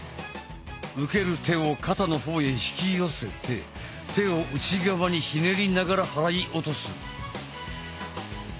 受ける手を肩の方へ引き寄せて手を内側にひねりながら払い落とす！